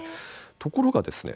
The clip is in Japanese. ところがですね